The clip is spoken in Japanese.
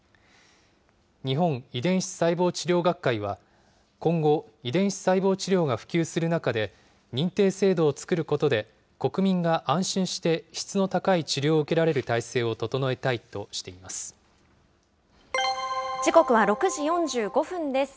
日本遺伝子細胞治療学会は、今後、遺伝子細胞治療が普及する中で、認定制度を作ることで、国民が安心して質の高い治療を受けられる体制を整えたいとしてい時刻は６時４５分です。